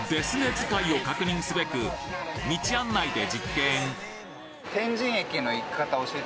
使いを確認すべく道案内で実験はい。